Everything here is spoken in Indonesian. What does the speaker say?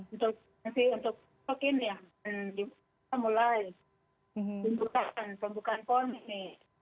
untuk mungkin ya kita mulai pembukaan pon ini